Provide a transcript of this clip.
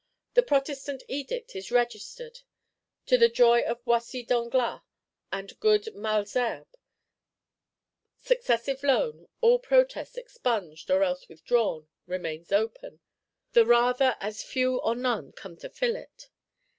The Protestant Edict is registered; to the joy of Boissy d'Anglas and good Malesherbes: Successive Loan, all protests expunged or else withdrawn, remains open,—the rather as few or none come to fill it.